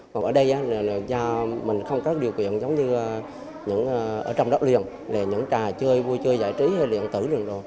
còn ở đây nhà mình không có điều kiện giống như ở trong đất liền để những trà chơi vui chơi giải trí hay liện tử